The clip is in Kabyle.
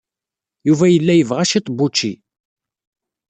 Yuba yella yebɣa cwiṭ n wučči.